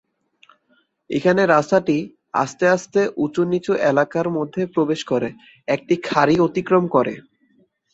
এখানে রাস্তাটি আস্তে আস্তে উচু-নিচু এলাকার মধ্যে প্রবেশ করে, একটি খাঁড়ি অতিক্রম করে।